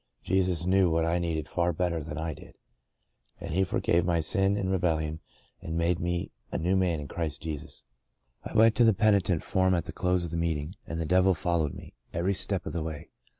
Jesus knew what I needed far better than I did, and He forgave my sin and re bellion and made me a new man in Christ Jesus. " I went to the penitent form at the close of the meeting, and the devil followed me, every step of the way.